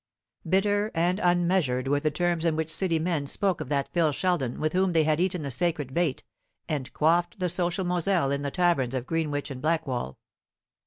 Bitter and unmeasured were the terms in which City men spoke of that Phil Sheldon with whom they had eaten the sacred bait and quaffed the social moselle in the taverns of Greenwich and Blackwall.